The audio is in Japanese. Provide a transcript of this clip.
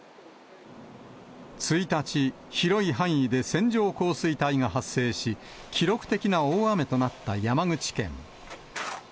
１日、広い範囲で線状降水帯が発生し、記録的な大雨となった山口県。